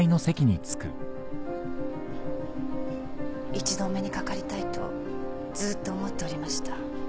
一度お目に掛かりたいとずっと思っておりました。